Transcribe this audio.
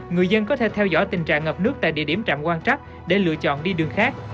người dân có thể theo dõi tình trạng ngập nước tại địa điểm trạm quan trắc để lựa chọn đi đường khác